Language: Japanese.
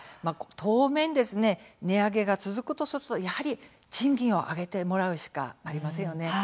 当面、値上げが続くとすると、やはり賃金を上げてもらうしかありませんよね。